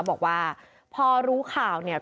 บอกว่าพอรู้ข่าวเนี่ย